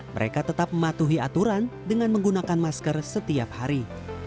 mereka tetap mematuhi aturan dengan menggunakan masker setiap hari